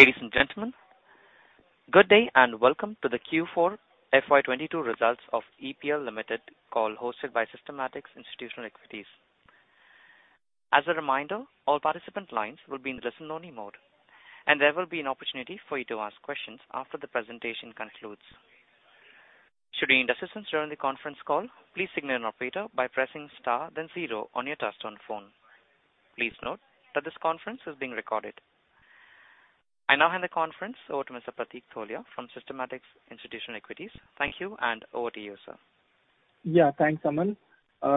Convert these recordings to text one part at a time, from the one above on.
Ladies and gentlemen, good day and welcome to the Q4 FY 2022 results of EPL Limited call hosted by Systematix Institutional Equities. As a reminder, all participant lines will be in listen-only mode, and there will be an opportunity for you to ask questions after the presentation concludes. Should you need assistance during the conference call, please signal an operator by pressing star then zero on your touchtone phone. Please note that this conference is being recorded. I now hand the conference over to Mr. Pratik Tholiya from Systematix Institutional Equities. Thank you and over to you, sir. Yeah, thanks, Aman.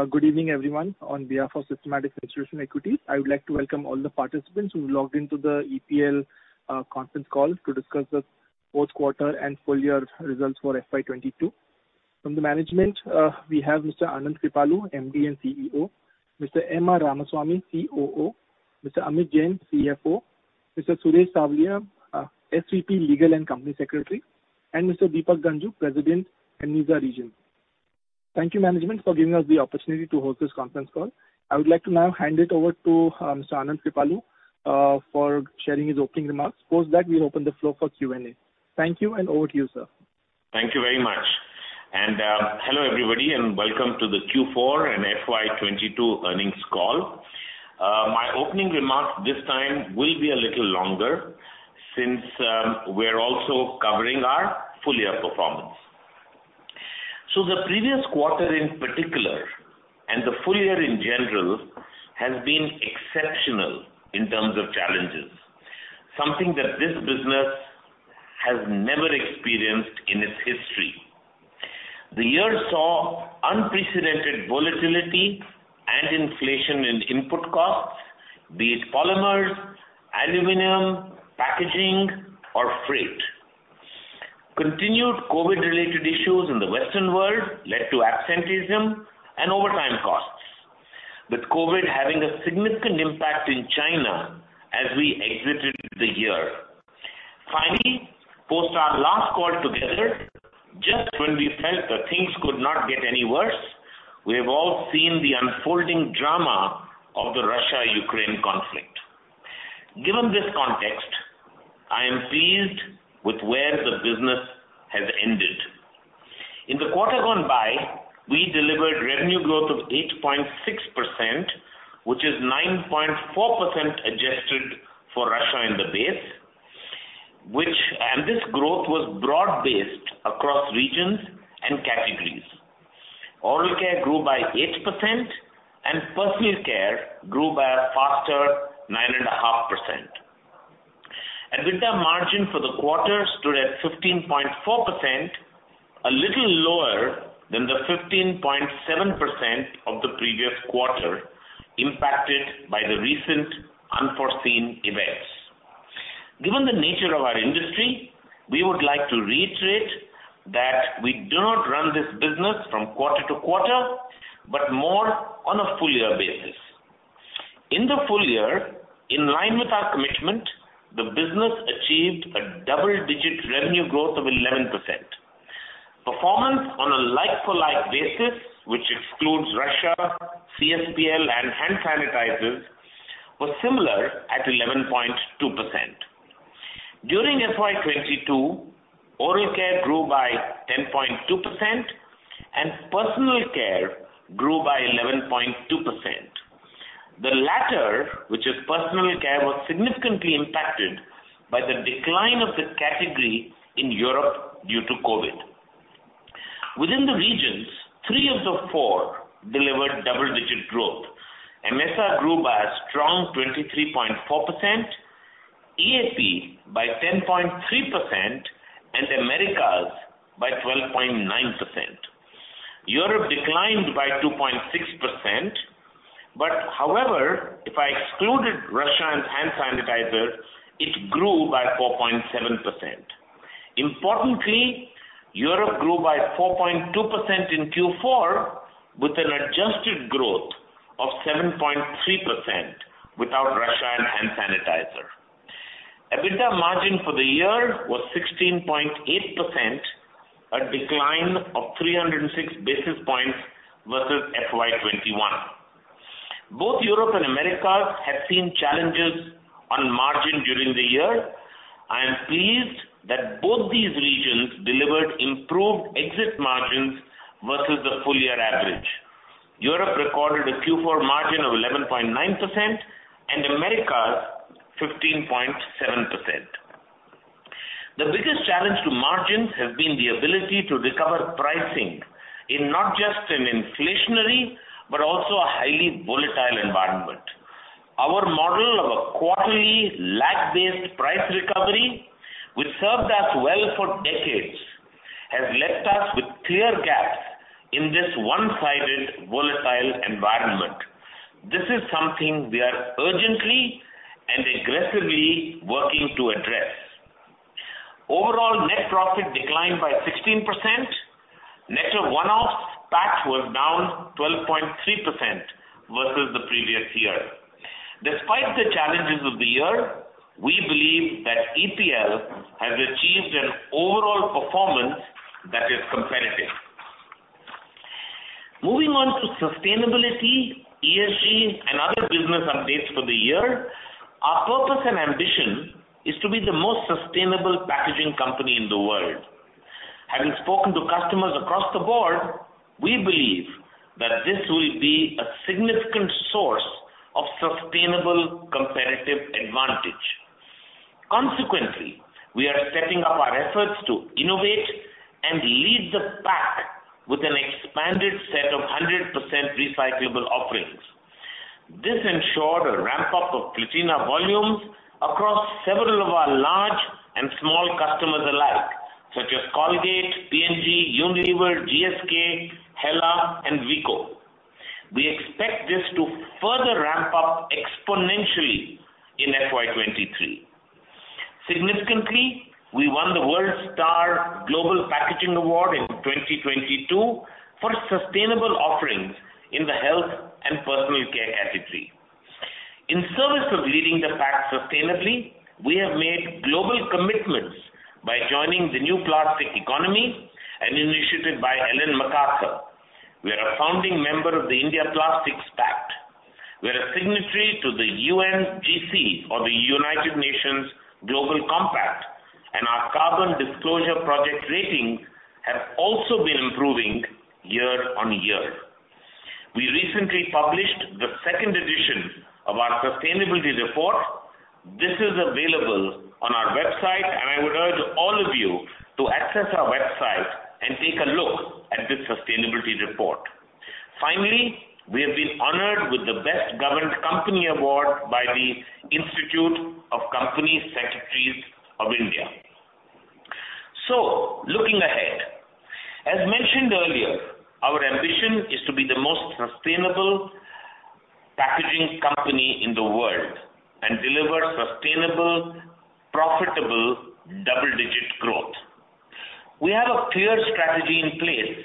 Good evening, everyone. On behalf of Systematix Institutional Equities, I would like to welcome all the participants who logged into the EPL conference call to discuss the fourth quarter and full-year results for FY 2022. From the management, we have Mr. Anand Kripalu, MD and CEO, Mr. M. R. Ramasamy, COO, Mr. Amit Jain, CFO, Mr. Suresh Savaliya, SVP, Legal and Company Secretary, and Mr. Deepak Ganjoo, President, MENASA region. Thank you, management for giving us the opportunity to host this conference call. I would like to now hand it over to Mr. Anand Kripalu for sharing his opening remarks. Post that, we'll open the floor for Q&A. Thank you and over to you, sir. Thank you very much. Hello, everybody, and welcome to the Q4 and FY 2022 earnings call. My opening remarks this time will be a little longer since we're also covering our full-year performance. The previous quarter in particular, and the full year in general, has been exceptional in terms of challenges, something that this business has never experienced in its history. The year saw unprecedented volatility and inflation in input costs, be it polymers, aluminum, packaging or freight. Continued COVID-related issues in the Western world led to absenteeism and overtime costs, with COVID having a significant impact in China as we exited the year. Finally, post our last call together, just when we felt that things could not get any worse, we have all seen the unfolding drama of the Russia-Ukraine conflict. Given this context, I am pleased with where the business has ended. In the quarter gone by, we delivered revenue growth of 8.6%, which is 9.4% adjusted for Russia in the base. This growth was broad-based across regions and categories. Oral care grew by 8% and personal care grew by a faster 9.5%. EBITDA margin for the quarter stood at 15.4%, a little lower than the 15.7% of the previous quarter, impacted by the recent unforeseen events. Given the nature of our industry, we would like to reiterate that we do not run this business from quarter to quarter, but more on a full year basis. In the full year, in line with our commitment, the business achieved a double-digit revenue growth of 11%. Performance on a like-for-like basis, which excludes Russia, CSPL and hand sanitizers, was similar at 11.2%. During FY 2022, oral care grew by 10.2% and personal care grew by 11.2%. The latter, which is personal care, was significantly impacted by the decline of the category in Europe due to COVID. Within the regions, three of the four delivered double-digit growth. AMESA grew by a strong 23.4%, EAP by 10.3% and Americas by 12.9%. Europe declined by 2.6%. However, if I excluded Russia and hand sanitizers, it grew by 4.7%. Importantly, Europe grew by 4.2% in Q4 with an adjusted growth of 7.3% without Russia and hand sanitizer. EBITDA margin for the year was 16.8%, a decline of 306 basis points versus FY 2021. Both Europe and Americas have seen challenges on margin during the year. I am pleased that both these regions delivered improved exit margins versus the full year average. Europe recorded a Q4 margin of 11.9% and Americas 15.7%. The biggest challenge to margins has been the ability to recover pricing in not just an inflationary, but also a highly volatile environment. Our model of a quarterly lag-based price recovery, which served us well for decades, has left us with clear gaps in this one-sided volatile environment. This is something we are urgently and aggressively working to address. Overall net profit declined by 16%. Net of one-offs, PAT was down 12.3% versus the previous year. Despite the challenges of the year, we believe that EPL has achieved an overall performance that is competitive. Moving on to sustainability, ESG, and other business updates for the year. Our purpose and ambition is to be the most sustainable packaging company in the world. Having spoken to customers across the board, we believe that this will be a significant source of sustainable competitive advantage. Consequently, we are stepping up our efforts to innovate and lead the pack with an expanded set of 100% recyclable offerings. This ensured a ramp-up of Platina volumes across several of our large and small customers alike, such as Colgate, P&G, Unilever, GSK, Henkel, and Vicco. We expect this to further ramp up exponentially in FY 2023. Significantly, we won the WorldStar Global Packaging Awards in 2022 for sustainable offerings in the health and personal care category. In service of leading the pack sustainably, we have made global commitments by joining the New Plastics Economy, an initiative by Ellen MacArthur. We are a founding member of the India Plastics Pact. We are a signatory to the UNGC or the United Nations Global Compact, and our Carbon Disclosure Project ratings have also been improving year on year. We recently published the second edition of our sustainability report. This is available on our website, and I would urge all of you to access our website and take a look at this sustainability report. Finally, we have been honored with the Best Governed Company Award by the Institute of Company Secretaries of India. Looking ahead, as mentioned earlier, our ambition is to be the most sustainable packaging company in the world and deliver sustainable, profitable, double-digit growth. We have a clear strategy in place,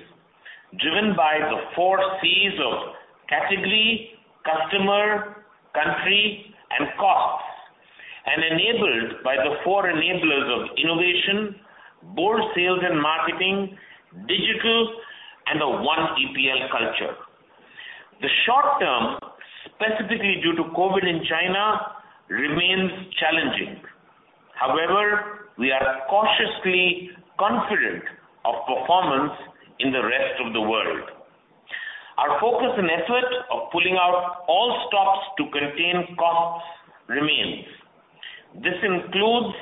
driven by the four Cs of category, customer, country and costs, and enabled by the four enablers of innovation, bold sales and marketing, digital, and the One EPL culture. The short term, specifically due to COVID in China, remains challenging. However, we are cautiously confident of performance in the rest of the world. Our focus and effort of pulling out all stops to contain costs remains. This includes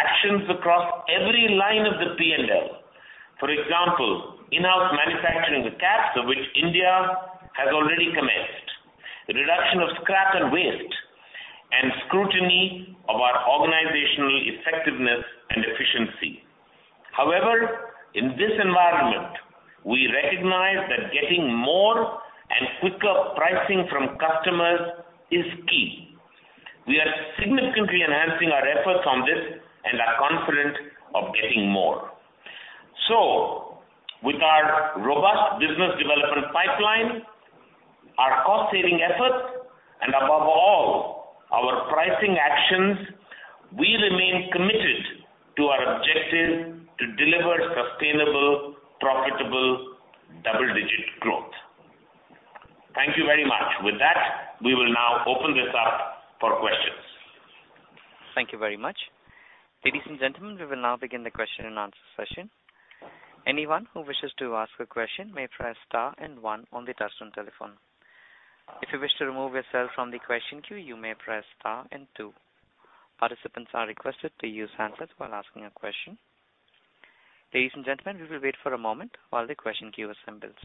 actions across every line of the P&L. For example, in-house manufacturing, the caps of which India has already commenced, reduction of scrap and waste, and scrutiny of our organizational effectiveness and efficiency. However, in this environment, we recognize that getting more and quicker pricing from customers is key. We are significantly enhancing our efforts on this and are confident of getting more. With our robust business development pipeline, our cost saving efforts, and above all, our pricing actions, we remain committed to our objective to deliver sustainable, profitable, double-digit growth. Thank you very much. With that, we will now open this up for questions. Thank you very much. Ladies and gentlemen, we will now begin the question and answer session. Anyone who wishes to ask a question may press star and one on the touchtone telephone. If you wish to remove yourself from the question queue, you may press star and two. Participants are requested to use handsets while asking a question. Ladies and gentlemen, we will wait for a moment while the question queue assembles.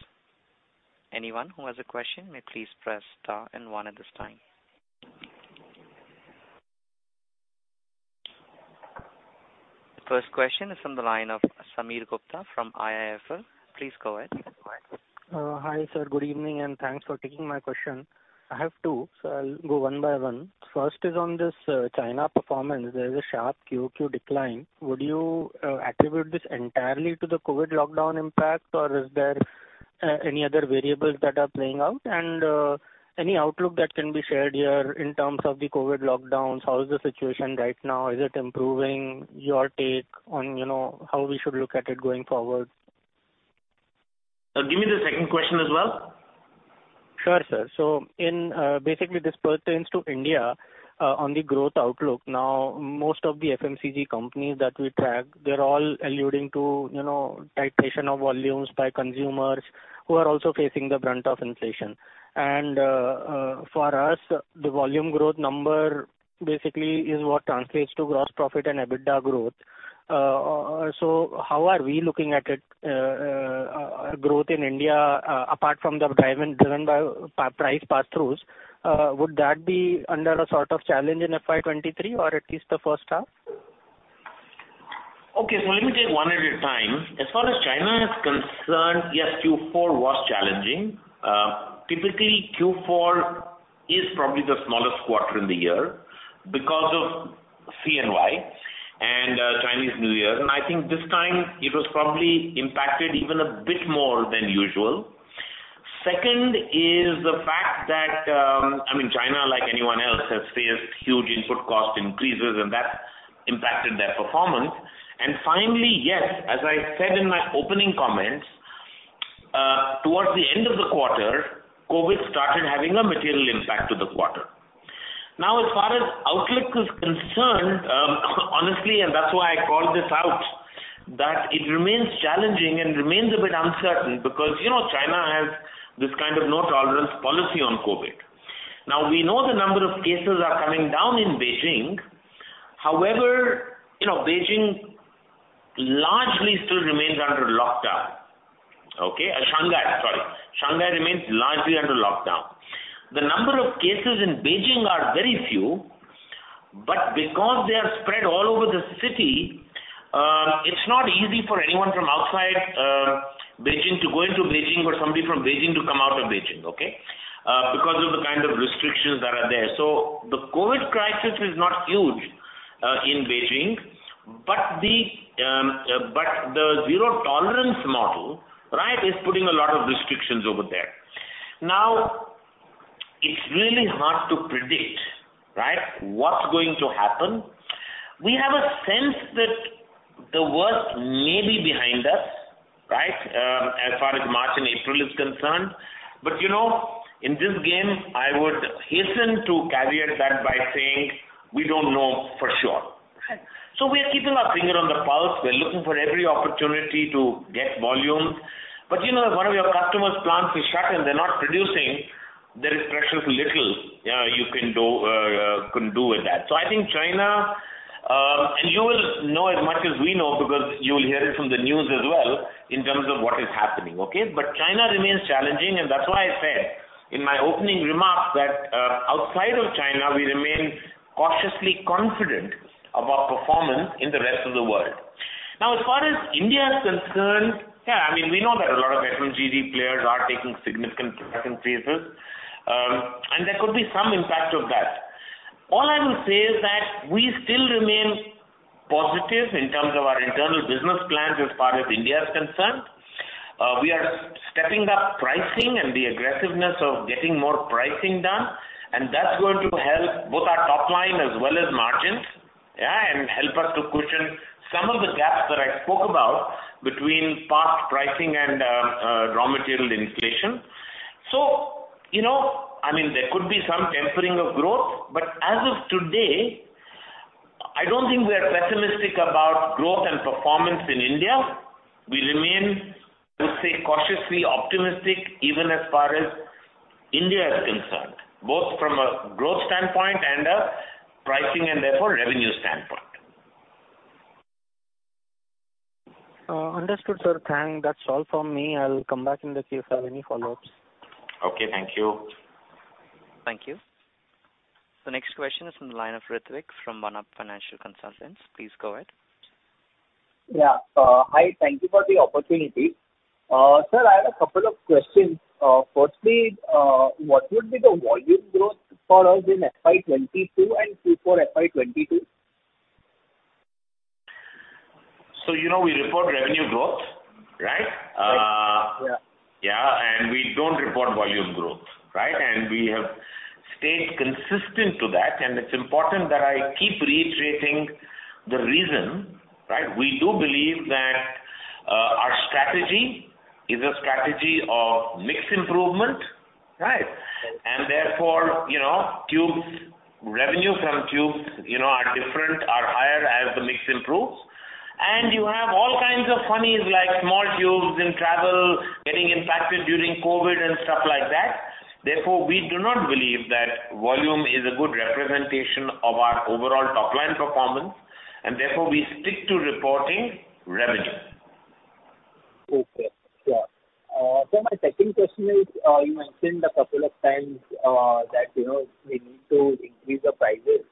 Anyone who has a question may please press star and one at this time. The first question is from the line of Sameer Gupta from IIFL. Please go ahead. Hi, sir. Good evening, and thanks for taking my question. I have two, so I'll go one by one. First is on this China performance. There's a sharp QoQ decline. Would you attribute this entirely to the COVID lockdown impact, or is there any other variables that are playing out? Any outlook that can be shared here in terms of the COVID lockdowns? How is the situation right now? Is it improving? Your take on, you know, how we should look at it going forward. Give me the second question as well. Sure, sir. In, basically this pertains to India, on the growth outlook. Now, most of the FMCG companies that we track, they're alluding to, you know, titration of volumes by consumers who are also facing the brunt of inflation. For us, the volume growth number basically is what translates to gross profit and EBITDA growth. How are we looking at it, growth in India, apart from the driven by price pass-throughs, would that be under a sort of challenge in FY 2023 or at least the first half? Okay. Let me take one at a time. As far as China is concerned, yes, Q4 was challenging. Typically Q4 is probably the smallest quarter in the year because of CNY and Chinese New Year. I think this time it was probably impacted even a bit more than usual. Second, they have faced huge input cost increases and that impacted their performance. Finally, yes, as I said in my opening comments, towards the end of the quarter, COVID started having a material impact to the quarter. Now, as far as outlook is concerned, honestly, and that's why I called this out, that it remains challenging and remains a bit uncertain because, you know, China has this kind of no-tolerance policy on COVID. Now, we know the number of cases are coming down in Beijing. However, you know, Beijing largely still remains under lockdown. Okay. Shanghai, sorry. Shanghai remains largely under lockdown. The number of cases in Beijing are very few, but because they are spread all over the city, it's not easy for anyone from outside, Beijing to go into Beijing or somebody from Beijing to come out of Beijing, okay? Because of the kind of restrictions that are there. The COVID crisis is not huge, in Beijing, but the zero-tolerance model, right, is putting a lot of restrictions over there. Now, it's really hard to predict, right, what's going to happen. We have a sense that the worst may be behind us, right, as far as March and April is concerned. You know, in this game, I would hasten to caveat that by saying we don't know for sure. Right. We are keeping our finger on the pulse. We're looking for every opportunity to get volume. You know, if one of your customers' plants is shut and they're not producing, there is precious little you can do with that. I think China, you will know as much as we know because you'll hear it from the news as well in terms of what is happening. Okay? China remains challenging, and that's why I said in my opening remarks that, outside of China, we remain cautiously confident of our performance in the rest of the world. Now, as far as India is concerned, yeah, I mean, we know that a lot of FMCG players are taking significant price increases, and there could be some impact of that. All I will say is that we still remain positive in terms of our internal business plans as far as India is concerned. We are stepping up pricing and the aggressiveness of getting more pricing done, and that's going to help both our top line as well as margins, yeah, and help us to cushion some of the gaps that I spoke about between past pricing and raw material inflation. You know, I mean, there could be some tempering of growth, but as of today, I don't think we are pessimistic about growth and performance in India. We remain, I would say, cautiously optimistic, even as far as India is concerned, both from a growth standpoint and a pricing and therefore revenue standpoint. Understood, sir. That's all from me. I'll come back in case you have any follow-ups. Okay. Thank you. Thank you. The next question is from the line of Ritwik from One Up Financial Consultants. Please go ahead. Yeah. Hi. Thank you for the opportunity. Sir, I have a couple of questions. Firstly, what would be the volume growth for us in FY 2022 and Q4 FY 2022? You know, we report revenue growth, right? Right. Yeah. Yeah. We don't report volume growth, right? Okay. We have stayed consistent to that. It's important that I keep reiterating the reason, right? We do believe that, our strategy is a strategy of mix improvement, right? Right. Therefore, you know, tubes, revenue from tubes, you know, are different, are higher as the mix improves. You have all kinds of funnies like small tubes in travel getting impacted during COVID and stuff like that. Therefore, we do not believe that volume is a good representation of our overall top-line performance, and therefore we stick to reporting revenue. Okay. Sure. My second question is, you mentioned a couple of times, that, you know, we need to increase the prices.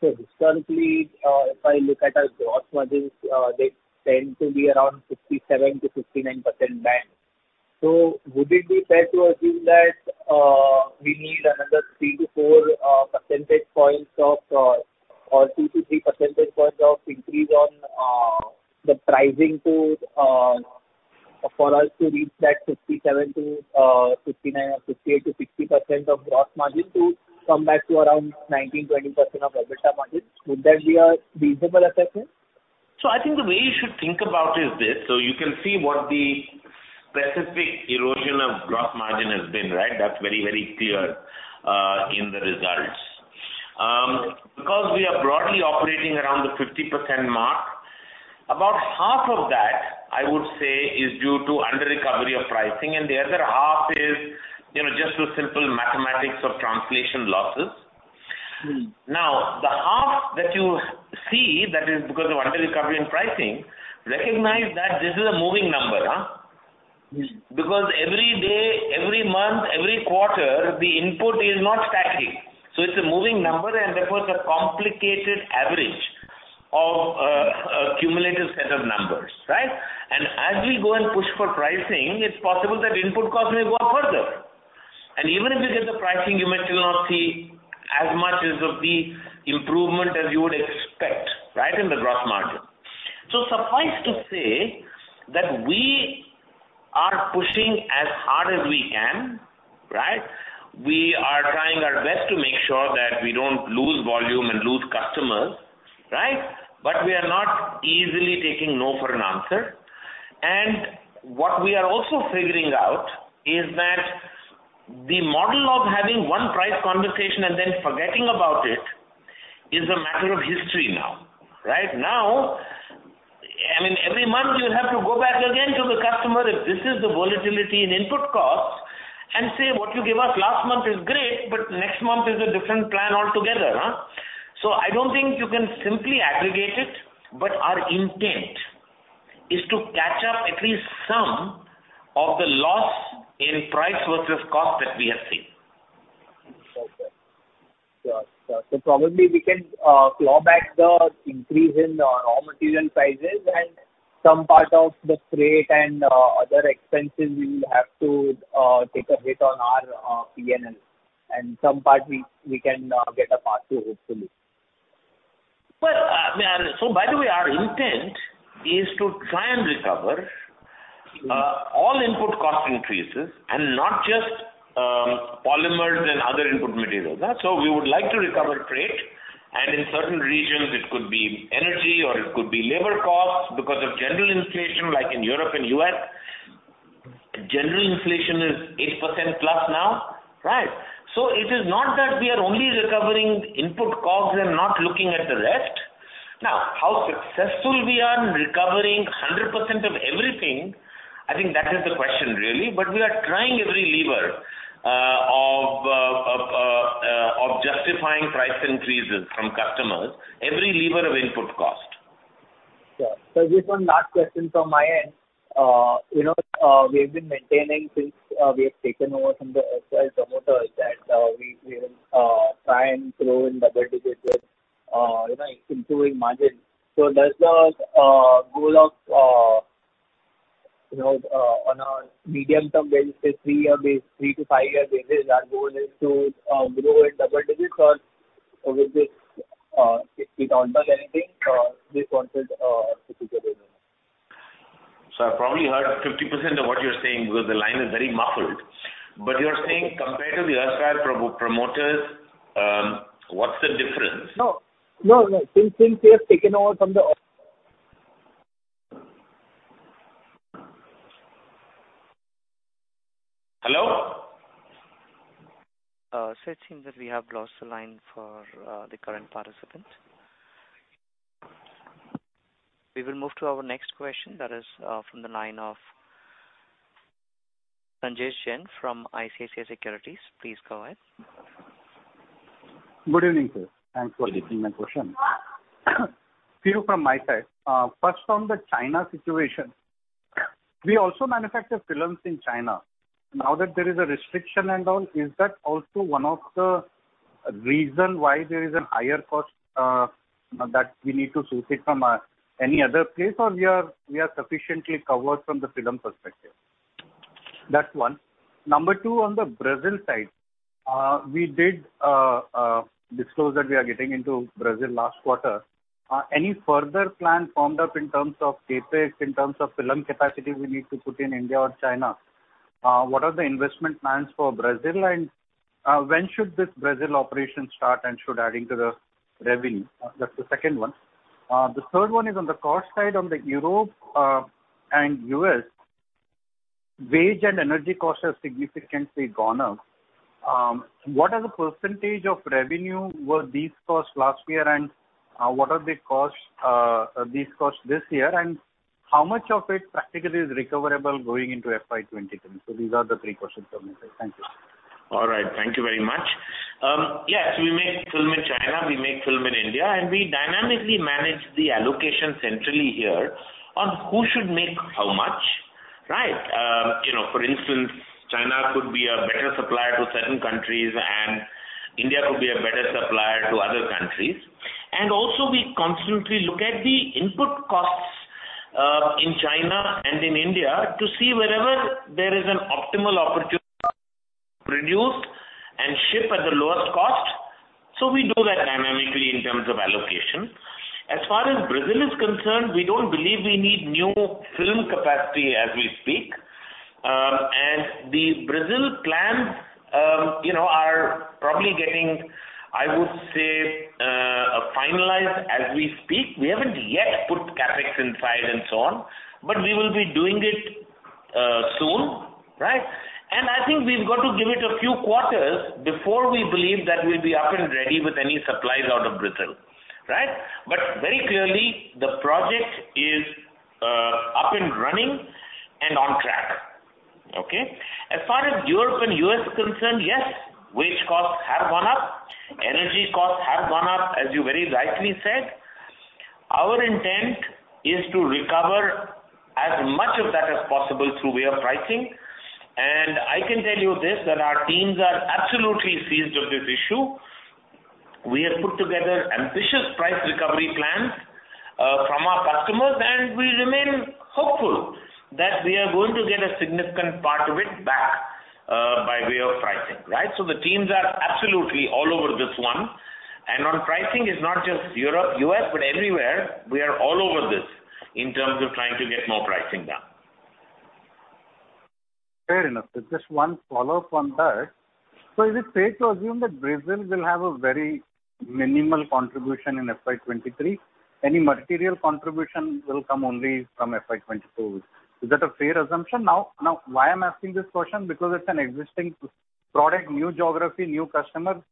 Historically, if I look at our gross margins, they tend to be around 57%-59% band. Would it be fair to assume that, we need another three to four percentage points of or two to three percentage points of increase on the pricing to for us to reach that 57%-59% or 58%-60% of gross margin to come back to around 19%-20% of EBITDA margin. Would that be a reasonable assessment? I think the way you should think about is this. You can see what the specific erosion of gross margin has been, right? That's very, very clear in the results. Because we are broadly operating around the 50% mark, about half of that, I would say, is due to under-recovery of pricing, and the other half is, you know, just the simple mathematics of translation losses. Now, the half that you see that is because of under-recovery in pricing, recognize that this is a moving number. Because every day, every month, every quarter, the input is not static. It's a moving number and therefore it's a complicated average of a cumulative set of numbers, right? As we go and push for pricing, it's possible that input cost may go up further. Even if you get the pricing, you may still not see as much of the improvement as you would expect, right, in the gross margin. Suffice to say that we are pushing as hard as we can, right? We are trying our best to make sure that we don't lose volume and lose customers, right? We are not easily taking no for an answer. What we are also figuring out is that the model of having one price conversation and then forgetting about it is a matter of history now, right? Now, I mean, every month you have to go back again to the customer given this volatility in input costs and say what you gave us last month is great, but next month is a different plan altogether. I don't think you can simply aggregate it, but our intent is to catch up at least some of the loss in price versus cost that we have seen. Probably we can claw back the increase in our raw material prices and some part of the freight and other expenses we will have to take a hit on our P&L, and some part we can get a pass through, hopefully. Well, by the way, our intent is to try and recover all input cost increases and not just polymers and other input materials. We would like to recover freight, and in certain regions it could be energy, or it could be labor costs because of general inflation, like in Europe and U.S. General inflation is 8%+ now, right? It is not that we are only recovering input costs and not looking at the rest. Now, how successful we are in recovering 100% of everything, I think that is the question really. We are trying every lever of justifying price increases from customers, every lever of input cost. Sure. Just one last question from my end. You know, we have been maintaining since we have taken over from the earlier promoters that we will try and grow in double digits with, you know, improving margin. Does the goal of, you know, on a medium-term basis, say three to five-year basis, our goal is to grow in double digits or with this, it doesn't do anything, this quarter, particularly? I've probably heard 50% of what you're saying because the line is very muffled. You're saying compared to the earlier promoters, what's the difference? No. Since we have taken over from the. Hello? Sir, it seems that we have lost the line for the current participant. We will move to our next question that is from the line of Sanjesh Jain from ICICI Securities. Please go ahead. Good evening, sir. Thanks for taking my question. Few from my side. First on the China situation, we also manufacture films in China. Now that there is a restriction and all, is that also one of the reason why there is a higher cost that we need to source it from any other place? Or we are sufficiently covered from the film perspective? That's one. Number two, on the Brazil side, we did disclose that we are getting into Brazil last quarter. Any further plan formed up in terms of CapEx, in terms of film capacity we need to put in India or China? What are the investment plans for Brazil? When should this Brazil operation start and should adding to the revenue? That's the second one. The third one is on the cost side, in Europe and U.S., wage and energy costs have significantly gone up. What percentage of revenue were these costs last year and what are these costs this year? How much of it practically is recoverable going into FY 2023? These are the three questions from my side. Thank you. All right. Thank you very much. Yes, we make film in China, we make film in India, and we dynamically manage the allocation centrally here on who should make how much, right? You know, for instance, China could be a better supplier to certain countries and India could be a better supplier to other countries. Also, we constantly look at the input costs in China and in India to see wherever there is an optimal opportunity produce and ship at the lowest cost. We do that dynamically in terms of allocation. As far as Brazil is concerned, we don't believe we need new film capacity as we speak. The Brazil plans, you know, are probably getting, I would say, finalized as we speak. We haven't yet put CapEx inside and so on, but we will be doing it soon, right? I think we've got to give it a few quarters before we believe that we'll be up and ready with any supplies out of Brazil, right? Very clearly, the project is up and running and on track. Okay? As far as Europe and U.S. is concerned, yes, wage costs have gone up. Energy costs have gone up, as you very rightly said. Our intent is to recover as much of that as possible through way of pricing. I can tell you this, that our teams are absolutely seized of this issue. We have put together ambitious price recovery plans from our customers, and we remain hopeful that we are going to get a significant part of it back by way of pricing, right? The teams are absolutely all over this one. On pricing, it's not just Europe-U.S., but everywhere we are all over this in terms of trying to get more pricing done. Fair enough. Just one follow-up on that. Is it safe to assume that Brazil will have a very minimal contribution in FY 2023? Any material contribution will come only from FY 2022. Is that a fair assumption? Now, why I'm asking this question because it's an existing product, new geography, new customer,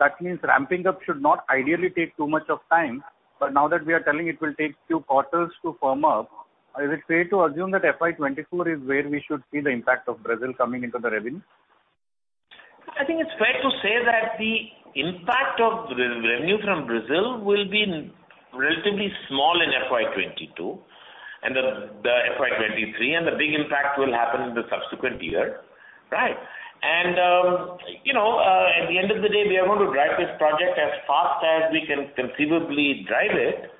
that means ramping up should not ideally take too much of time. Now that we are telling it will take two quarters to firm up, is it fair to assume that FY 2024 is where we should see the impact of Brazil coming into the revenue? I think it's fair to say that the impact of the revenue from Brazil will be relatively small in FY 2022 and the FY 2023, and the big impact will happen in the subsequent year. Right. You know, at the end of the day, we are going to drive this project as fast as we can conceivably drive it.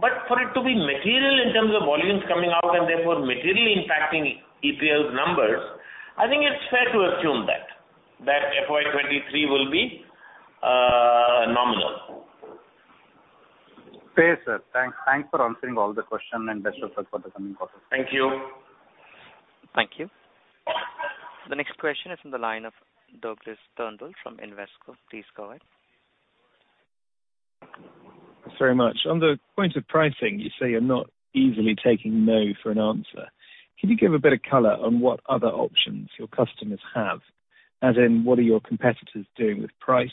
For it to be material in terms of volumes coming out and therefore materially impacting EPL's numbers, I think it's fair to assume that FY 2023 will be nominal. Fair, sir. Thanks for answering all the question and best of luck for the coming quarter. Thank you. Thank you. The next question is from the line of Douglas Turnbull from Invesco. Please go ahead. Thanks very much. On the point of pricing, you say you're not easily taking no for an answer. Can you give a bit of color on what other options your customers have? As in, what are your competitors doing with price?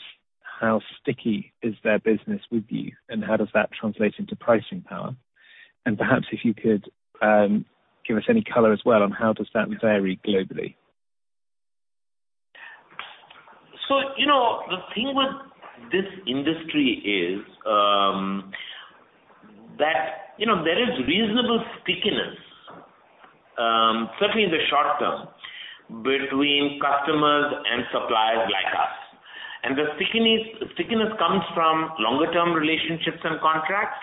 How sticky is their business with you, and how does that translate into pricing power? Perhaps if you could, give us any color as well on how does that vary globally. You know, the thing with this industry is that you know, there is reasonable stickiness certainly in the short term between customers and suppliers like us. The stickiness comes from longer-term relationships and contracts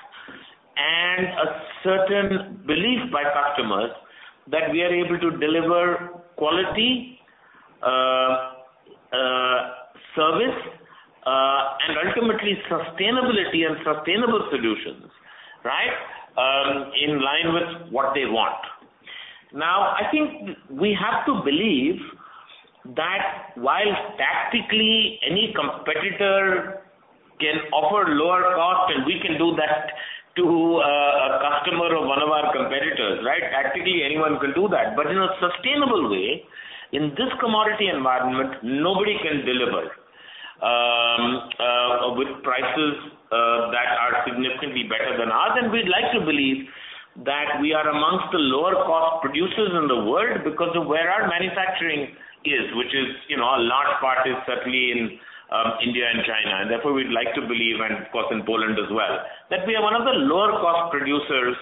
and a certain belief by customers that we are able to deliver quality service and ultimately sustainability and sustainable solutions, right? In line with what they want. Now, I think we have to believe that while tactically any competitor can offer lower cost, and we can do that to a customer of one of our competitors, right? Tactically, anyone can do that. In a sustainable way, in this commodity environment, nobody can deliver with prices that are significantly better than ours. We'd like to believe that we are among the lower cost producers in the world because of where our manufacturing is, which is, you know, a large part is certainly in India and China, and therefore we'd like to believe, and of course, in Poland as well, that we are one of the lower cost producers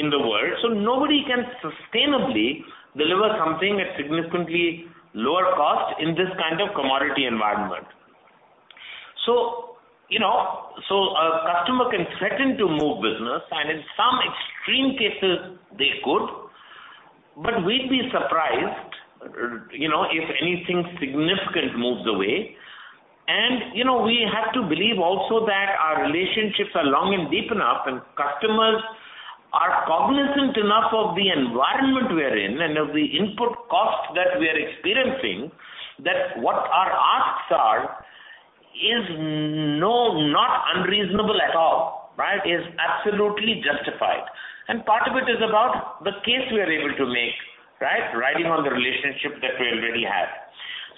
in the world. Nobody can sustainably deliver something at significantly lower cost in this kind of commodity environment. You know, a customer can threaten to move business, and in some extreme cases they could, but we'd be surprised, you know, if anything significant moves away. You know, we have to believe also that our relationships are long and deep enough, and customers are cognizant enough of the environment we are in and of the input costs that we are experiencing, that what our asks are is no, not unreasonable at all, right? Is absolutely justified. Part of it is about the case we are able to make, right? Riding on the relationship that we already have.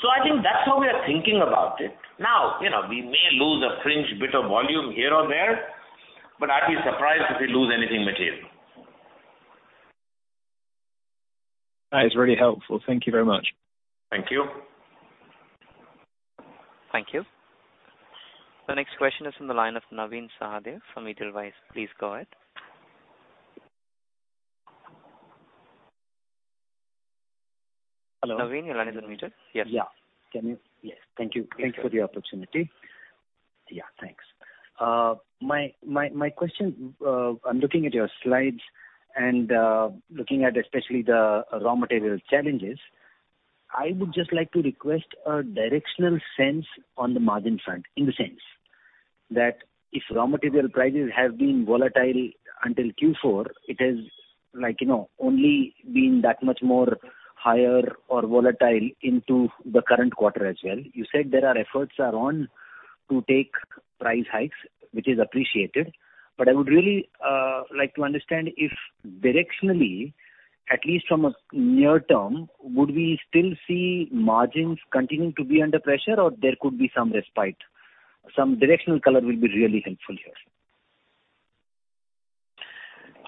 I think that's how we are thinking about it. Now, you know, we may lose a fringe bit of volume here or there, but I'd be surprised if we lose anything material. That is really helpful. Thank you very much. Thank you. Thank you. The next question is from the line of Navin Sahadeo from Edelweiss. Please go ahead. Hello. Navin, your line is unmuted. Yes. Yeah. Can you? Yes. Thank you. Thank you for the opportunity. Yeah, thanks. My question, I'm looking at your slides and looking at especially the raw material challenges. I would just like to request a directional sense on the margin front, in the sense that if raw material prices have been volatile until Q4, it has, like, you know, only been that much more higher or volatile into the current quarter as well. You said there are efforts on to take price hikes, which is appreciated. I would really like to understand if directionally, at least from a near term, would we still see margins continuing to be under pressure, or there could be some respite. Some directional color will be really helpful here.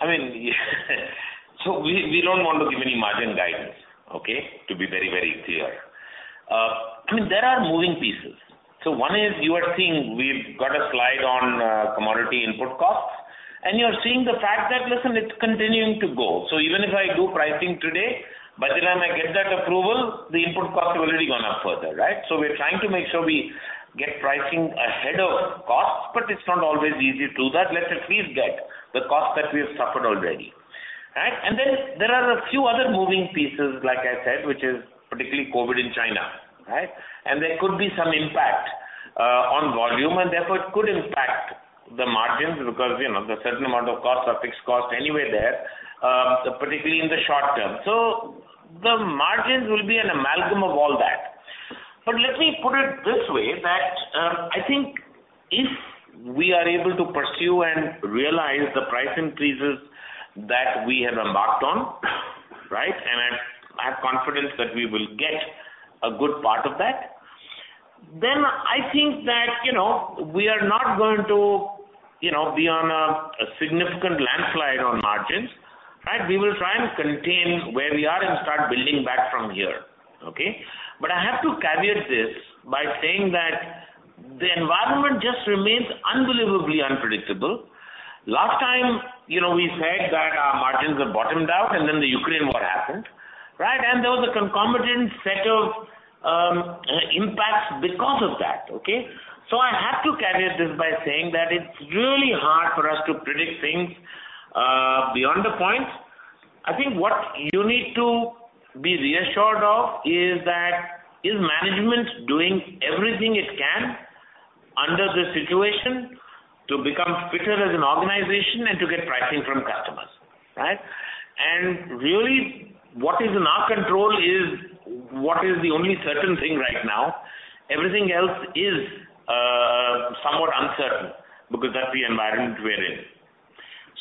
I mean, we don't want to give any margin guidance, okay? To be very, very clear. I mean, there are moving pieces. One is you are seeing we've got a slide on commodity input costs, and you are seeing the fact that, listen, it's continuing to go. Even if I do pricing today, by the time I get that approval, the input costs have already gone up further, right? We're trying to make sure we get pricing ahead of costs, but it's not always easy to do that. Let's at least get the cost that we have suffered already. Then there are a few other moving pieces, like I said, which is particularly COVID in China, right? There could be some impact on volume, and therefore it could impact the margins because, you know, there are certain amount of costs are fixed costs anyway there, particularly in the short term. The margins will be an amalgam of all that. Let me put it this way that, I think if we are able to pursue and realize the price increases that we have embarked on, right? I have confidence that we will get a good part of that, then I think that, you know, we are not going to, you know, be on a significant landslide on margins, right? We will try and contain where we are and start building back from here. Okay? I have to caveat this by saying that the environment just remains unbelievably unpredictable. Last time, you know, we said that our margins have bottomed out and then the Ukraine war happened, right? There was a concomitant set of impacts because of that. Okay? I have to caveat this by saying that it's really hard for us to predict things beyond the point. I think what you need to be reassured of is that management doing everything it can under the situation to become fitter as an organization and to get pricing from customers, right? Really, what is in our control is what is the only certain thing right now. Everything else is somewhat uncertain because that's the environment we're in.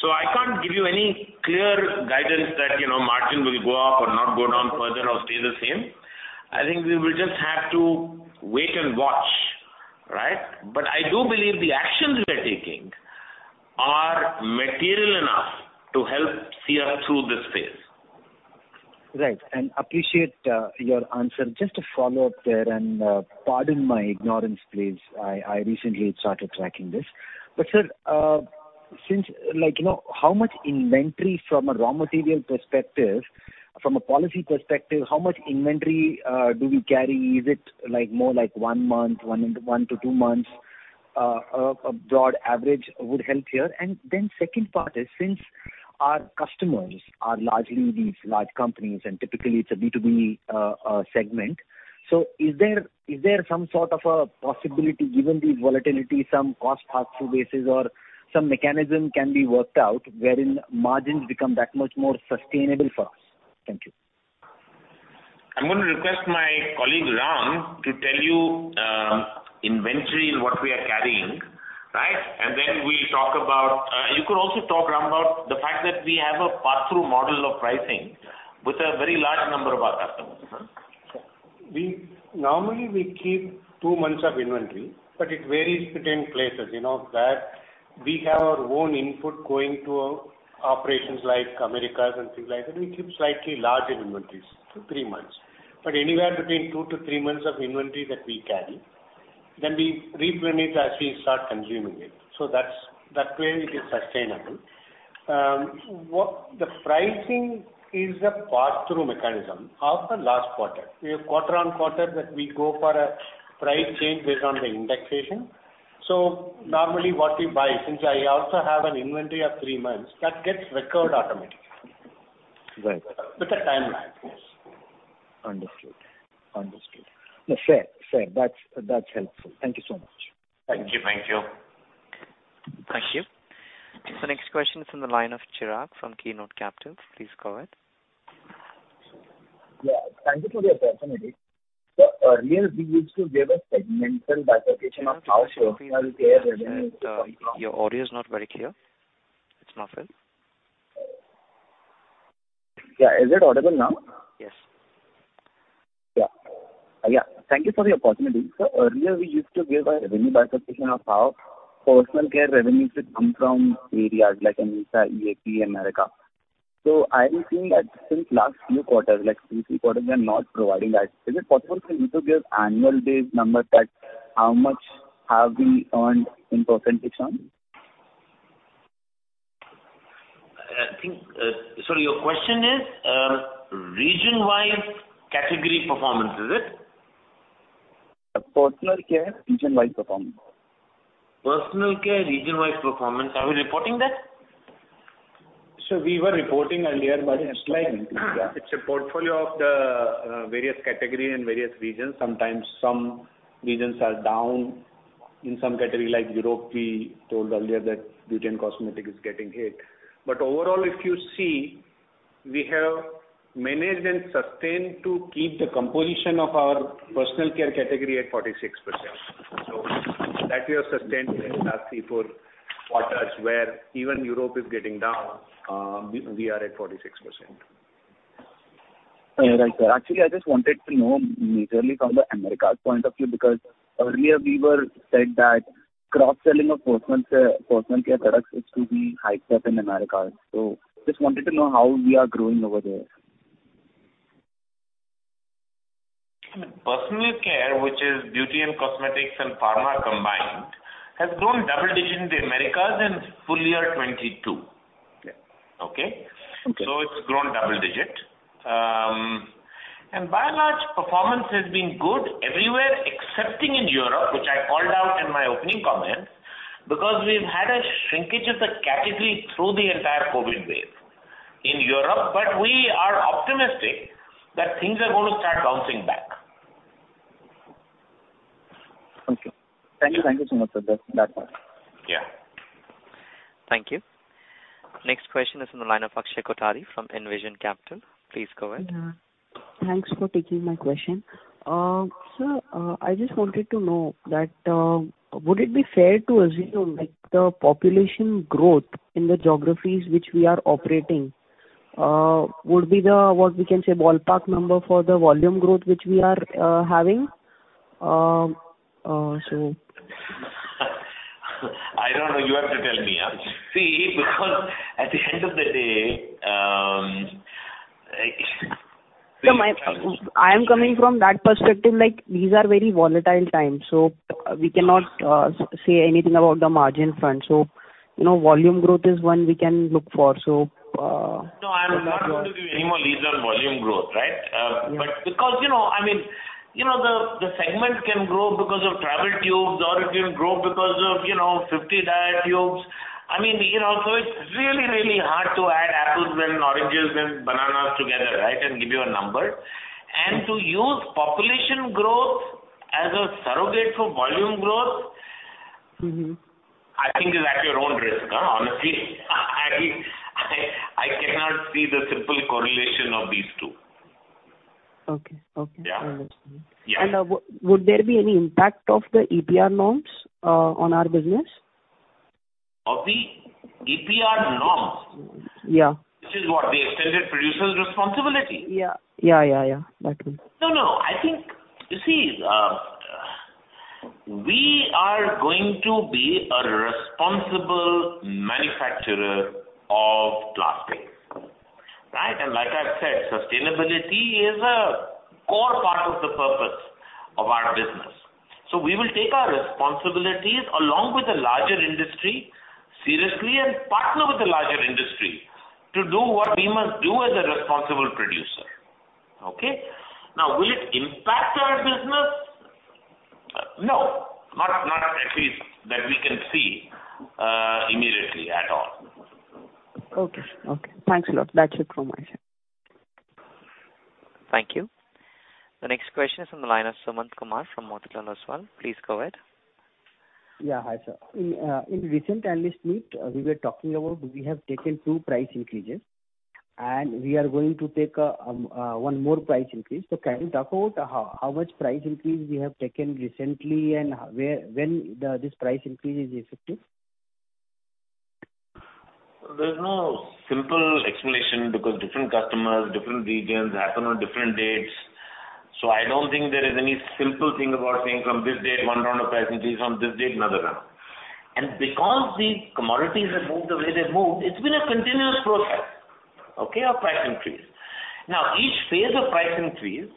I can't give you any clear guidance that, you know, margin will go up or not go down further or stay the same. I think we will just have to wait and watch, right? I do believe the actions we are taking are material enough to help see us through this phase. Right. I appreciate your answer. Just a follow-up there, and pardon my ignorance, please. I recently started tracking this. Sir, since like, you know, how much inventory from a raw material perspective, from a policy perspective, how much inventory do we carry? Is it like more like one month to two months? A broad average would help here. Then second part is, since our customers are largely these large companies, and typically it's a B2B segment, so is there some sort of a possibility, given this volatility, some cost pass-through basis or some mechanism can be worked out wherein margins become that much more sustainable for us? Thank you. I'm gonna request my colleague, Ram, to tell you inventory and what we are carrying, right? You could also talk, Ram, about the fact that we have a pass-through model of pricing with a very large number of our customers. Normally, we keep two months of inventory, but it varies between places. You know that we have our own input going to operations like Americas and things like that. We keep slightly larger inventories, two to three months. Anywhere between two to three months of inventory that we carry, then we replenish as we start consuming it. That's, that way it is sustainable. The pricing is a pass-through mechanism of the last quarter. We have quarter on quarter that we go for a price change based on the indexation. Normally, what we buy, since I also have an inventory of three months, that gets recovered automatically. Right. With a timeline, yes. Understood. No, fair. That's helpful. Thank you so much. Thank you. Thank you. Thank you. The next question is on the line of Chirag from Keynote Capitals. Please go ahead. Yeah, thank you for the opportunity. Earlier, we used to give a segmental breakdown of how personal care revenue. Sir, your audio is not very clear. It's muffled. Yeah. Is it audible now? Yes. Yeah. Thank you for the opportunity. Earlier, we used to give a revenue breakdown of how personal care revenues would come from areas like EMEA, EAP, America. I've been seeing that since last few quarters, like two, three quarters, we are not providing that. Is it possible for you to give annual base numbers that how much have we earned in percentage terms? I think. Sorry, your question is region-wise category performance, is it? Personal care region-wise performance. Personal care region-wise performance. Are we reporting that? We were reporting earlier, but it's like. It's a portfolio of the various category in various regions. Sometimes some regions are down. In some category like Europe, we told earlier that beauty and cosmetic is getting hit. Overall, if you see, we have managed and sustained to keep the composition of our personal care category at 46%. That we have sustained in the last three to four quarters, where even Europe is getting down, we are at 46%. Right. Actually, I just wanted to know majorly from the Americas point of view, because earlier we were said that cross-selling of personal care products is to be hyped up in Americas. Just wanted to know how we are growing over there. Personal care, which is beauty and cosmetics and pharma combined, has grown double-digit in the Americas in full-year 2022. Okay. Okay? Okay. It's grown double-digit. By and large, performance has been good everywhere except in Europe, which I called out in the opening comments, because we've had a shrinkage of the category through the entire COVID wave in Europe. We are optimistic that things are gonna start bouncing back. Okay. Thank you. Thank you so much, sir. That's all. Yeah. Thank you. Next question is from the line of Akshay Kothari from Envision Capital. Please go ahead. Thanks for taking my question. Sir, I just wanted to know that, would it be fair to assume, like, the population growth in the geographies which we are operating, would be the, what we can say, ballpark number for the volume growth which we are having? I don't know. You have to tell me. See, because at the end of the day, like Sir, I am coming from that perspective, like, these are very volatile times, so we cannot say anything about the margin front. You know, volume growth is one we can look for. No, I am not going to give any more leads on volume growth, right? Because, you know, I mean, you know, the segment can grow because of travel tubes or it can grow because of, you know, 50 diet tubes. I mean, you know, it's really hard to add apples and oranges and bananas together, right? Give you a number. To use population growth as a surrogate for volume growth. I think is at your own risk, honestly. I cannot see the simple correlation of these two. Okay. Okay. Yeah. Understood. Yeah. Would there be any impact of the EPR norms on our business? Of the EPR norms? Yeah. This is what? The Extended Producer Responsibility? Yeah. That one. No, no. I think. You see, we are going to be a responsible manufacturer of plastics, right? Like I said, sustainability is a core part of the purpose of our business. We will take our responsibilities along with the larger industry seriously and partner with the larger industry to do what we must do as a responsible producer. Okay? Now, will it impact our business? No. Not at least that we can see immediately at all. Okay. Thanks a lot. That's it from my side. Thank you. The next question is from the line of Sumant Kumar from Motilal Oswal. Please go ahead. Yeah. Hi, sir. In recent analyst meet, we were talking about we have taken two price increases and we are going to take one more price increase. Can you talk about how much price increase we have taken recently and when this price increase is effective? There's no simple explanation because different customers, different regions happen on different dates. I don't think there is any simple thing about saying from this date one round of price increase, from this date another round. Because the commodities have moved the way they've moved, it's been a continuous process, okay, of price increase. Now, each phase of price increase,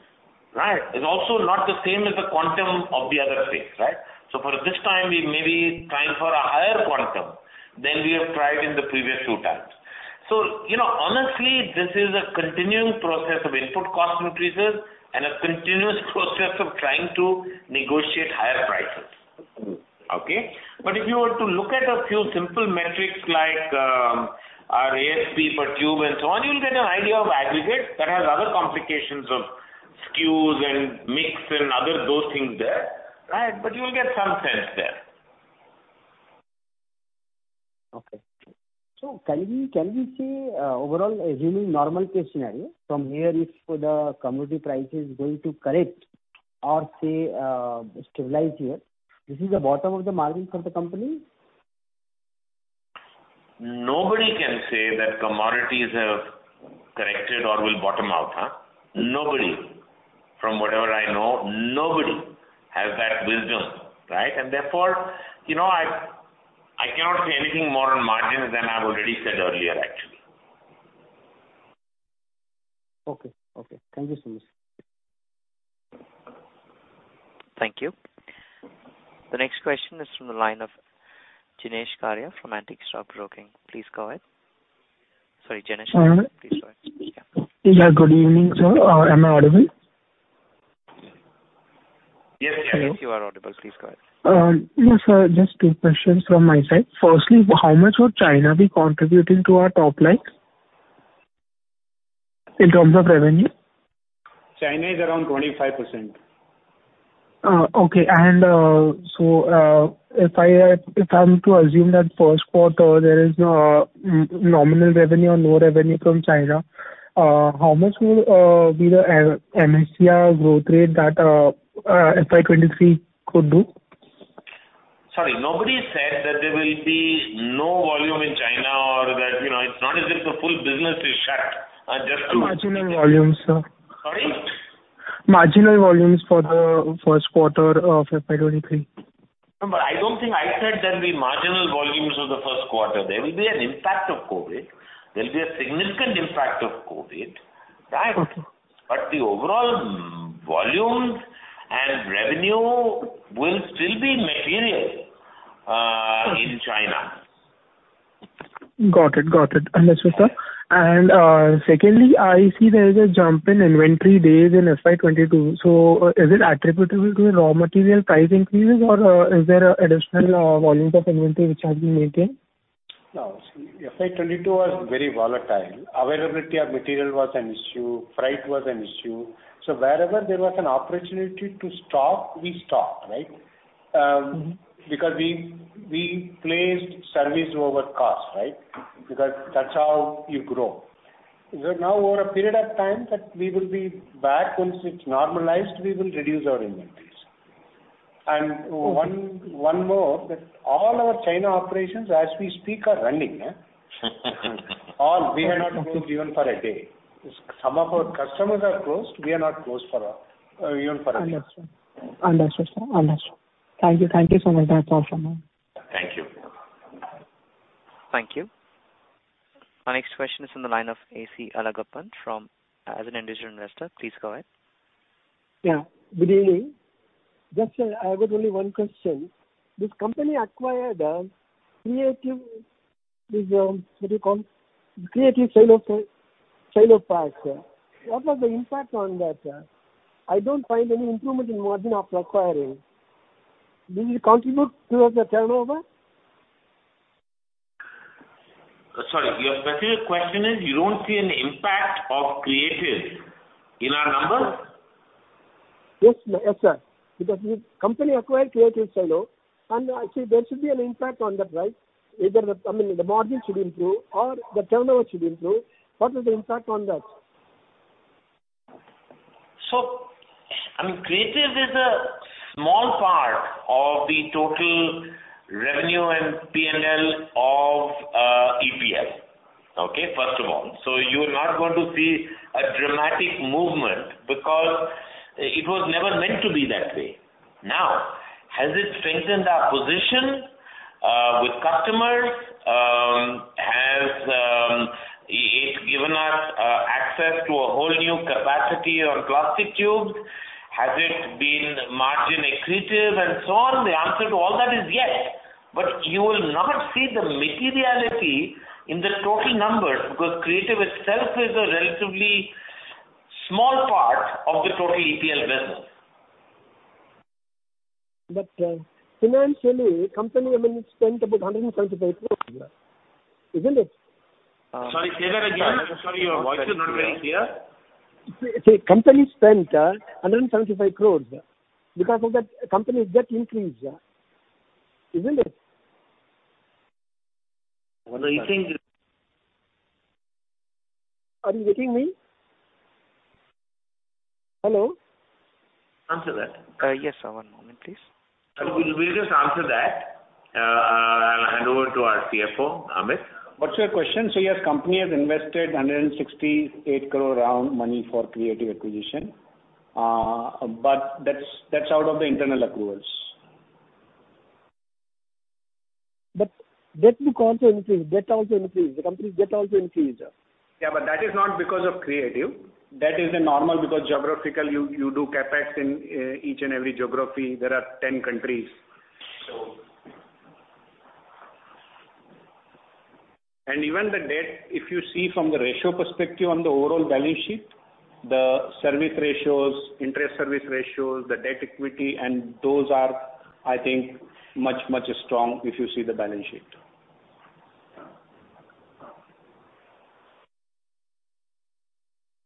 right, is also not the same as the quantum of the other phase, right? For this time we may be trying for a higher quantum than we have tried in the previous two times. You know, honestly, this is a continuing process of input cost increases and a continuous process of trying to negotiate higher prices. Okay? If you were to look at a few simple metrics like, our ASP per tube and so on, you'll get an idea of aggregate that has other complications of SKUs and mix and other those things there, right? You'll get some sense there. Okay. Can we say, overall assuming normal case scenario from here if the commodity price is going to correct or say, stabilize here, this is the bottom of the margins of the company? Nobody can say that commodities have corrected or will bottom out, huh? Nobody. From whatever I know, nobody has that wisdom, right? Therefore, you know, I cannot say anything more on margins than I've already said earlier, actually. Okay. Thank you so much. Thank you. The next question is from the line of Jenish Karia from Antique Stock Broking. Please go ahead. Sorry, Jinesh. Hello. Please go ahead. Yeah. Yeah. Good evening, sir. Am I audible? Yes. Yes. Yes, you are audible. Please go ahead. Yeah, sir, just two questions from my side. Firstly, how much would China be contributing to our top line in terms of revenue? China is around 25%. Okay. If I'm to assume that first quarter there is no nominal revenue or no revenue from China, how much will be the MENASA growth rate that FY 2023 could do? Sorry. Nobody said that there will be no volume in China or that, you know, it's not as if the full business is shut. Just to. Marginal volumes, sir. Sorry? Marginal volumes for the first quarter of FY 2023. No, I don't think I said there'll be marginal volumes for the first quarter. There will be an impact of COVID. There'll be a significant impact of COVID, right? Okay. The overall volumes and revenue will still be material. Okay. In China. Got it. Understood, sir. Secondly, I see there is a jump in inventory days in FY 2022. Is it attributable to the raw material price increases or is there additional volumes of inventory which has been maintained? No. See, FY 2022 was very volatile. Availability of material was an issue, freight was an issue. So wherever there was an opportunity to stock, we stocked, right? We placed service over cost, right? That's how you grow. Now over a period of time that we will be back once it's normalized, we will reduce our inventories. One more, that all our China operations as we speak are running. All. We are not closed even for a day. Some of our customers are closed, we are not closed for even a day. Understood, sir. Understood. Thank you. Thank you so much. That's all from me. Thank you. Thank you. Our next question is on the line of AC Alagappan as an individual investor. Please go ahead. Yeah, good evening. Just, I've got only one question. This company acquired Creative Stylo Packs, sir. What was the impact on that, sir? I don't find any improvement in margin after acquiring. Did it contribute towards the turnover? Sorry, your specific question is you don't see an impact of Creative in our numbers? Yes, yes, sir. Because the company acquired Creative Stylo, and I see there should be an impact on that, right? Either the, I mean, the margin should improve or the turnover should improve. What is the impact on that? I mean, Creative is a small part of the total revenue and P&L of EPL. Okay, first of all. You're not going to see a dramatic movement because it was never meant to be that way. Now, has it strengthened our position with customers? Has it given us access to a whole new capacity on plastic tubes? Has it been margin accretive and so on? The answer to all that is yes. You will not see the materiality in the total numbers because Creative itself is a relatively small part of the total EPL business. Financially, company I mean spent about 175 crore, isn't it? Sorry, say that again. Sorry, your voice is not very clear. See, company spent 175 crores. Because of that, company's debt increased, isn't it? No, it increased. Are you getting me? Hello? Answer that. Yes. One moment please. Will you just answer that? I'll hand over to our CFO, Amit. What's your question? Yes, company has invested 168 crore, our own money, for Creative acquisition. That's out of the internal accruals. The company's debt will also increase. Yeah, but that is not because of Creative. That is the normal because geographically you do CapEx in each and every geography. There are 10 countries. Even the debt, if you see from the ratio perspective on the overall balance sheet, the coverage ratios, interest coverage ratios, the debt equity and those are, I think, much stronger if you see the balance sheet.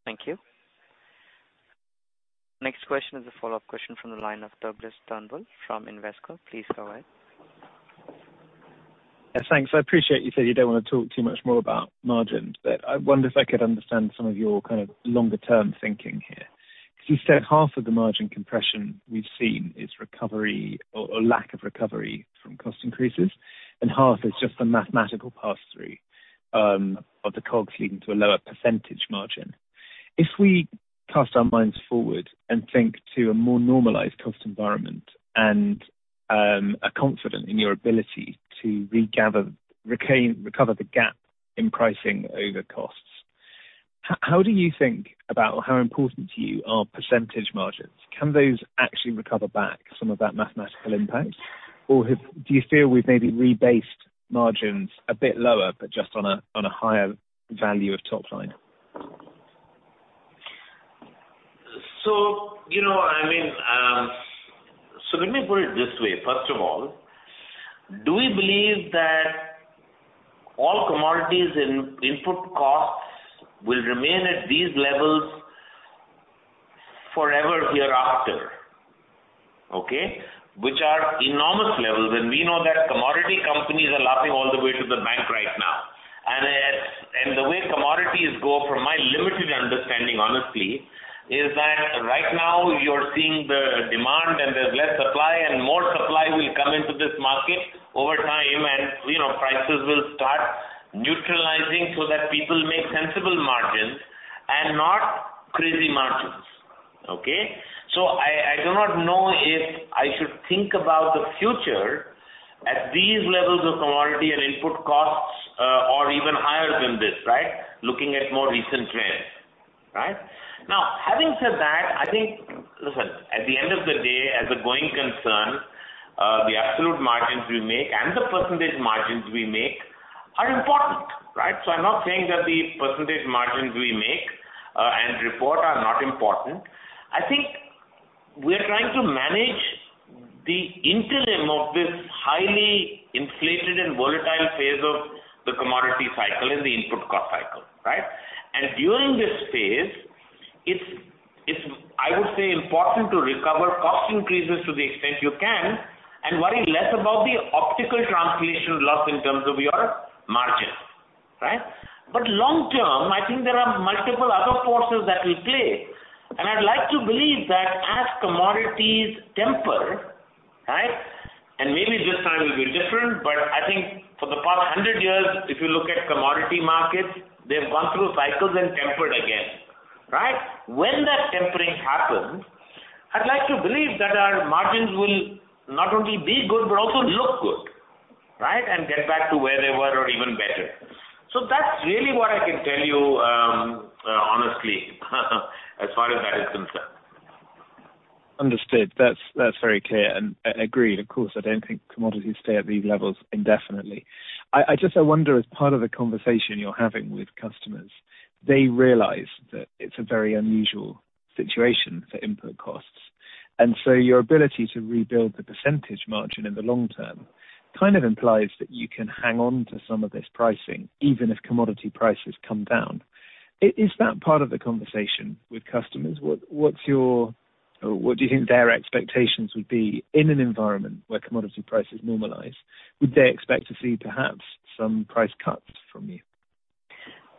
Thank you. Next question is a follow-up question from the line of Douglas Turnbull from Invesco. Please go ahead. Thanks. I appreciate you said you don't want to talk too much more about margins, but I wonder if I could understand some of your kind of longer term thinking here. So you said half of the margin compression we've seen is recovery or lack of recovery from cost increases, and half is just the mathematical pass-through of the COGS leading to a lower percentage margin. If we cast our minds forward and think to a more normalized cost environment and are confident in your ability to regather, retain, recover the gap in pricing over costs, how do you think about how important to you are percentage margins? Can those actually recover back some of that mathematical impact? Or do you feel we've maybe rebased margins a bit lower but just on a higher value of top line? You know, I mean, so let me put it this way. First of all, do we believe that all commodity and input costs will remain at these levels forever hereafter? Okay. Which are enormous levels, and we know that commodity companies are laughing all the way to the bank right now. The way commodities go, from my limited understanding, honestly, is that right now you're seeing the demand and there's less supply, and more supply will come into this market over time. You know, prices will start neutralizing so that people make sensible margins and not crazy margins. Okay? I do not know if I should think about the future at these levels of commodity and input costs, or even higher than this, right? Looking at more recent trends. Having said that, I think, listen, at the end of the day, as a going concern, the absolute margins we make and the percentage margins we make are important, right? I'm not saying that the percentage margins we make and report are not important. I think we're trying to manage the interim of this highly inflated and volatile phase of the commodity cycle and the input cost cycle, right? During this phase, it's, I would say, important to recover cost increases to the extent you can and worry less about the optical translation loss in terms of your margins, right? Long term, I think there are multiple other forces at play, and I'd like to believe that as commodities temper, right? Maybe this time will be different, but I think for the past 100 years, if you look at commodity markets, they've gone through cycles and tempered again, right? When that tempering happens, I'd like to believe that our margins will not only be good, but also look good, right, and get back to where they were or even better. That's really what I can tell you, honestly, as far as that is concerned. Understood. That's very clear and agreed. Of course, I don't think commodities stay at these levels indefinitely. I just wonder, as part of the conversation you're having with customers, they realize that it's a very unusual situation for input costs, and so your ability to rebuild the percentage margin in the long-term kind of implies that you can hang on to some of this pricing even if commodity prices come down. Is that part of the conversation with customers? What's your. What do you think their expectations would be in an environment where commodity prices normalize? Would they expect to see perhaps some price cuts from you?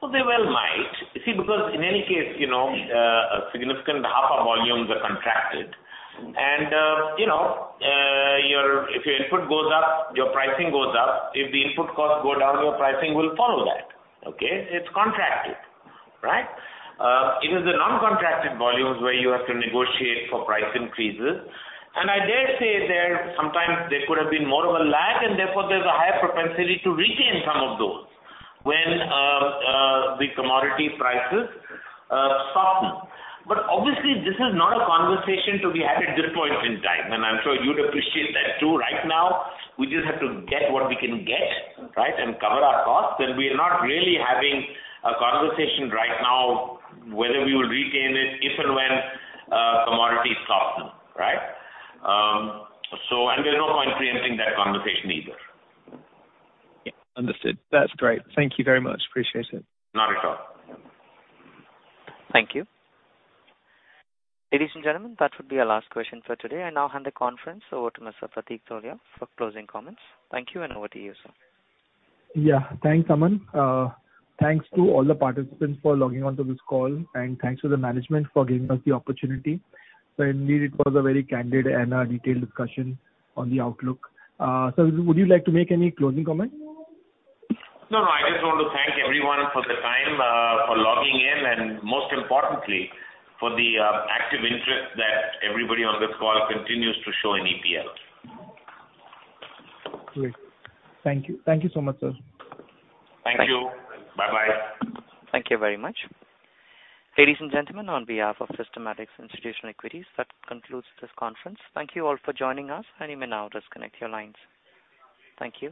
Well, they might. See, because in any case, you know, a significant half of volumes are contracted. You know, if your input goes up, your pricing goes up. If the input costs go down, your pricing will follow that, okay? It's contracted, right? It is the non-contracted volumes where you have to negotiate for price increases. I dare say that sometimes there could have been more of a lag and therefore there's a higher propensity to retain some of those when the commodity prices soften. Obviously, this is not a conversation to be had at this point in time, and I'm sure you'd appreciate that, too. Right now, we just have to get what we can get, right, and cover our costs, and we are not really having a conversation right now whether we will retain it if and when commodities soften, right? There's no point preempting that conversation either. Yeah. Understood. That's great. Thank you very much. Appreciate it. Not at all. Thank you. Ladies and gentlemen, that would be our last question for today. I now hand the conference over to Mr. Pratik Tholiya for closing comments. Thank you, and over to you, sir. Yeah. Thanks, Aman. Thanks to all the participants for logging on to this call, and thanks to the management for giving us the opportunity. Indeed, it was a very candid and detailed discussion on the outlook. Sir, would you like to make any closing comments? No, no. I just want to thank everyone for the time, for logging in, and most importantly, for the active interest that everybody on this call continues to show in EPL. Great. Thank you. Thank you so much, sir. Thank you. Bye-bye. Thank you very much. Ladies and gentlemen, on behalf of Systematix Institutional Equities, that concludes this conference. Thank you all for joining us, and you may now disconnect your lines. Thank you.